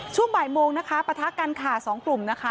ช่วงบ่ายโมงนะคะปะทะกันค่ะสองกลุ่มนะคะ